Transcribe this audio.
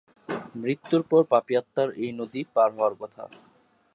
মৃত্যুর পর পাপী আত্মার এই নদী পার হওয়ার কথা।